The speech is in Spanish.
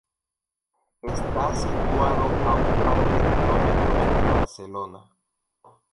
Está situado a un par de kilómetros de Barcelona.